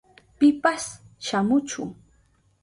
Pipas shamuchu.